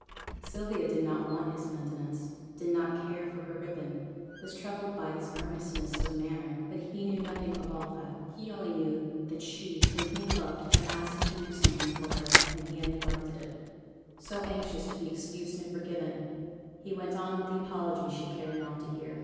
Sylvia did not want his penitence, did not care for her ribbon, was troubled by his earnestness of manner but he knew nothing of all that; he only knew that she whom he loved had asked him to do something for her, and he had neglected it; so, anxious to be excused and forgiven, he went on with the apology she cared not to hear.